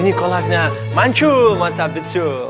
ini kolaksnya manchur nature